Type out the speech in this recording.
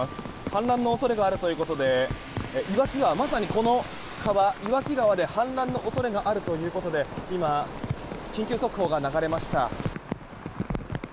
氾濫の恐れがあるということで岩木川、まさにこの川で氾濫の恐れがあるということで今、緊急速報が流れました。